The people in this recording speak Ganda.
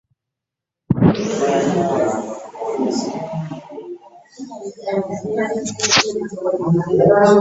Oba abakazi bonna lwaki bino tebabikolera baami baabwe awaka!